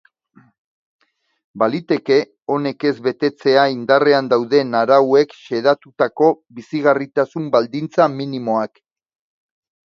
Baliteke honek ez betetzea indarrean dauden arauek xedatutako bizigarritasun baldintza minimoak.